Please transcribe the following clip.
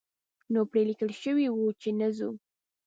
نو پرې لیکل شوي وو چې نه ځو.